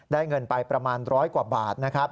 ได้เงินไปประมาณร้อยกว่าบาท